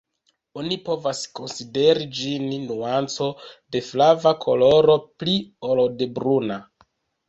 Oni povas konsideri ĝin nuanco de flava koloro pli ol de bruna.